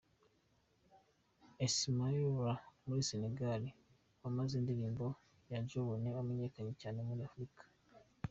Ismaël Lô wo muri Senegal wahanze indirimbo ’Tajabone’ yamenyekanye cyane muri Afurika